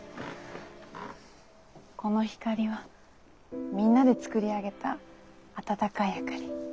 この光はみんなで作り上げた温かい明かり。